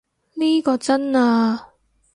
呢個真啊